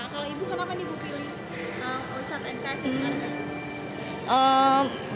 kalau ibu kenapa ibu pilih usaha tnk